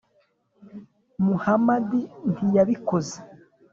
muhamadi ntiyabikoze.